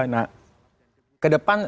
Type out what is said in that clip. nah ke depan